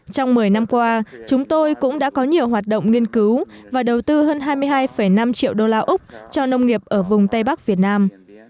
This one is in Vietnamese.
trong một mươi năm qua chúng tôi cũng đã có nhiều hoạt động nghiên cứu và đầu tư hơn hai mươi hai năm triệu đô la úc cho nông nghiệp ở vùng tây bắc việt nam